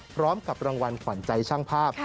พร้อมกับรางวัลขวัญใจช่างภาพ